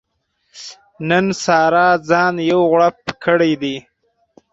نن سارا ځان یو غړوپ کړی دی.